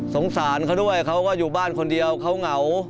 สงสารเขาด้วยเขาก็อยู่บ้านคนเดียวเขาเหงา